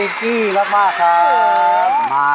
โปรดติดตามต่อไป